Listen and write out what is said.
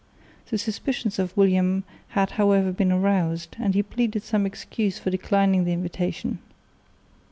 The suspicions of William had however been aroused, and he pleaded some excuse for declining the invitation.